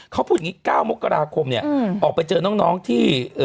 เขาพูดอย่างนี้๙มกราคมเนี่ยออกไปเจอน้องที่